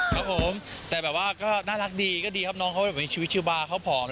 ครับผมแต่แบบว่าก็น่ารักดีก็ดีครับน้องเขามีชีวิตชิวบาเขาผอม